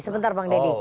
sebentar bang deddy